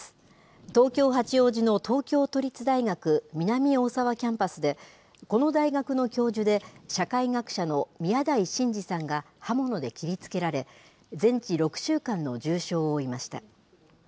東京・八王子の東京都立大学南大沢キャンパスで、この大学の教授で社会学者の宮台真司さんが刃物で切りつけられ、全治６週間の重傷を負いました。